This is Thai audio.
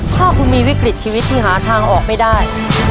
ถ้าคุณมีวิกฤตชีวิตที่หาทางออกไม่ได้